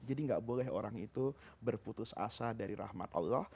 jadi tidak boleh orang itu berputus asa dari rahmat allah